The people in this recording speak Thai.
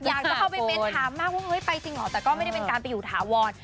อยากจะเข้าไปเม้นถามมากว่าเฮ้ยไปจริงเหรอแต่ก็ไม่ได้เป็นการไปอยู่ถาวร